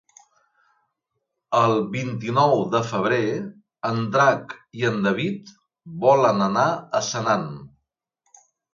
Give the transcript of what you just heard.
El vint-i-nou de febrer en Drac i en David volen anar a Senan.